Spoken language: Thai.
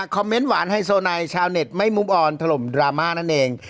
เมนต์หวานไฮโซไนชาวเน็ตไม่มุมออนถล่มดราม่านั่นเอง